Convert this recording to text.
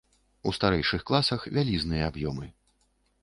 У старэйшых класах вялізныя аб'ёмы.